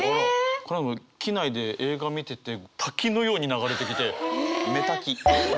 この間も機内で映画見てて滝のように流れてきて目滝。